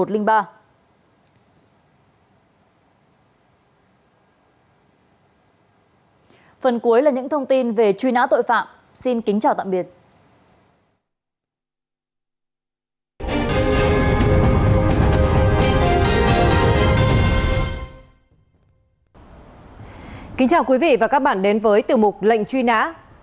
lệnh truy nã